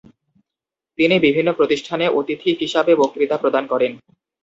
তিনি বিভিন্ন প্রতিষ্ঠানে অতিথি হিসাবে বক্তৃতা প্রদান করেন।